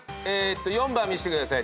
４番見してください